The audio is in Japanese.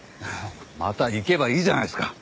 また行けばいいじゃないですか。